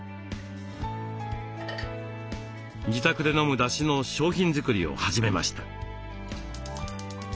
自宅で飲むだしの商品作りを始めました。